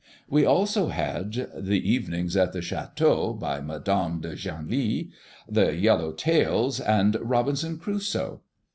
We also had, "The Evenings at the Château," by Madame de Genlis, "The Yellow Tales," and "Robinson Crusoe."